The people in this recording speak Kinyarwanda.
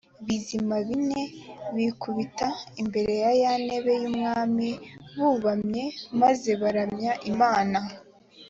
bizima bine bikubita imbere ya ya ntebe y ubwami bubamye maze baramya imana